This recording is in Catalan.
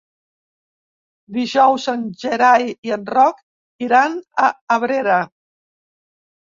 Dijous en Gerai i en Roc iran a Abrera.